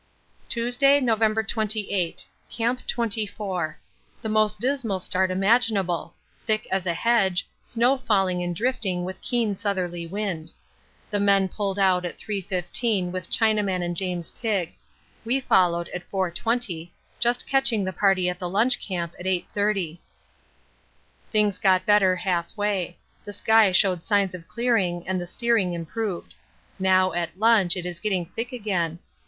Tuesday, November 28. Camp 24. The most dismal start imaginable. Thick as a hedge, snow falling and drifting with keen southerly wind. The men pulled out at 3.15 with Chinaman and James Pigg. We followed at 4.20, just catching the party at the lunch camp at 8.30. Things got better half way; the sky showed signs of clearing and the steering improved. Now, at lunch, it is getting thick again.